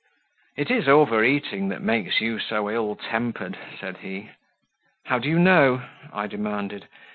"It is over eating that makes you so ill tempered," said he. "How do you know?" I demanded.